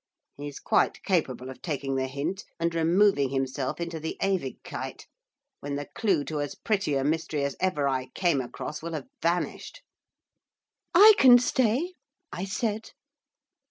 He's quite capable of taking the hint, and removing himself into the Ewigkeit, when the clue to as pretty a mystery as ever I came across will have vanished.' 'I can stay,' I said.